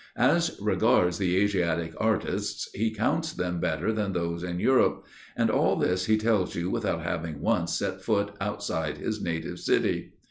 As regards the Asiatic artists, he counts them better than those in Europe. And all this he tells you without having once set foot outside his native city.